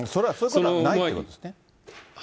そういうことはないということですね。